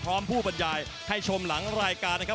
ผู้บรรยายให้ชมหลังรายการนะครับ